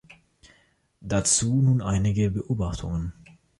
Dazu nun einige Beobachtungen.